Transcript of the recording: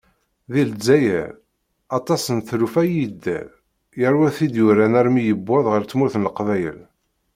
Di lezzayer, aṭas n tlufa i yedder, yerwa tid yuran armi yewweḍ ɣer tmurt n Leqbayel.